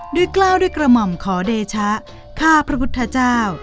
กล้าวด้วยกระหม่อมขอเดชะข้าพระพุทธเจ้า